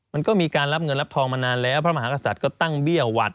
มันก็มีการรับเงินรับทองมานานแล้วพระมหากษัตริย์ก็ตั้งเบี้ยหวัด